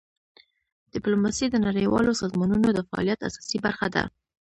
ډیپلوماسي د نړیوالو سازمانونو د فعالیت اساسي برخه ده.